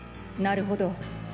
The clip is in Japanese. なるほど。